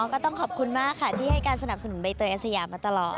ก็ต้องขอบคุณมากค่ะที่ให้การสนับสนุนใบเตยอาสยามาตลอด